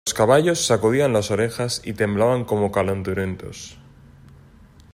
los caballos sacudían las orejas y temblaban como calenturientos.